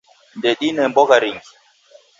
Ndedine mbogha ringi.